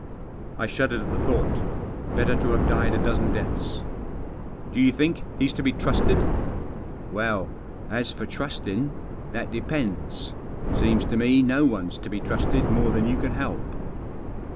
I shuddered at the thought Better to have died a dozen deaths. " Do you think he's to be trusted ? M " Well — as for trustin' — that depends. Seems to me no one's to be trusted more than you can help."